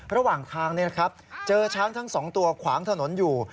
ระหว่างทางนี้นะครับเจอช้างทั้งสองตัวขวางถนนอยู่